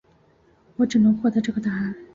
我只能获得这个答案